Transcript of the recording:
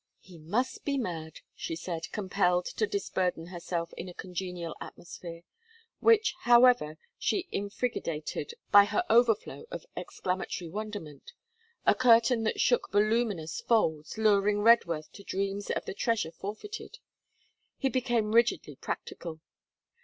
'He must be mad,' she said, compelled to disburden herself in a congenial atmosphere; which, however, she infrigidated by her overflow of exclamatory wonderment a curtain that shook voluminous folds, luring Redworth to dreams of the treasure forfeited. He became rigidly practical.